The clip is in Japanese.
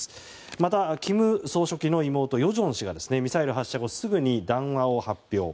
また、金総書記の妹・与正氏がミサイル発射後すぐに談話を発表。